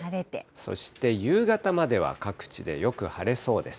そして夕方までは各地でよく晴れそうです。